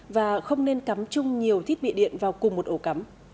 và không nên cắm chung nhiều thiết bị điện vào cùng một ổ cắm